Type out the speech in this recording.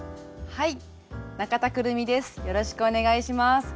はい。